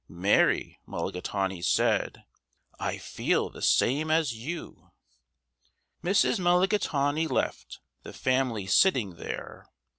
Mary Mulligatawny said, "I feel the same as you." Mrs. Mulligatawny left the family sitting there.